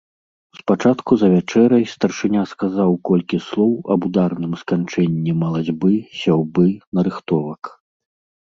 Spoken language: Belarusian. Спачатку за вячэрай старшыня сказаў колькі слоў аб ударным сканчэнні малацьбы, сяўбы, нарыхтовак.